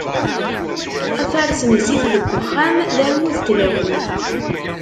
Afares n zzit deg uxxam, d armud n tlawin.